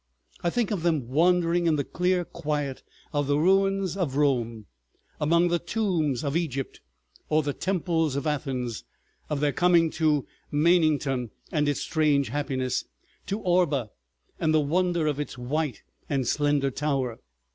I think of them wandering in the clear quiet of the ruins of Rome, among the tombs of Egypt or the temples of Athens, of their coming to Mainington and its strange happiness, to Orba and the wonder of its white and slender tower.